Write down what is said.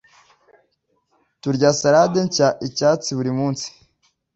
Turya salade nshya, icyatsi buri munsi.